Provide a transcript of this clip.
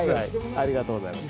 ありがとうございます。